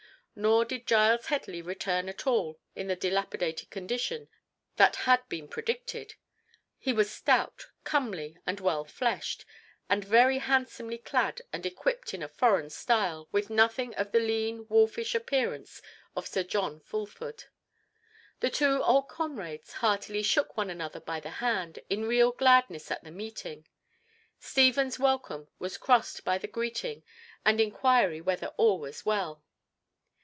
Nor did Giles Headley return at all in the dilapidated condition that had been predicted. He was stout, comely, and well fleshed, and very handsomely clad and equipped in a foreign style, with nothing of the lean wolfish appearance of Sir John Fulford. The two old comrades heartily shook one another by the hand in real gladness at the meeting. Stephen's welcome was crossed by the greeting and inquiry whether all was well.